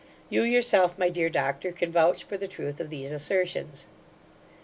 You, yourself, my dear Doctor, can vouch for the truth of these assertions.